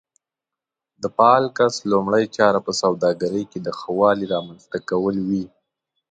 د فعال کس لومړۍ چاره په سوداګرۍ کې د ښه والي رامنځته کول وي.